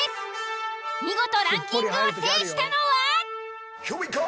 見事ランキングを制したのは？